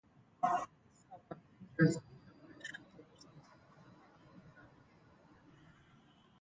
This album features guitar by Philip "Snakefinger" Lithman.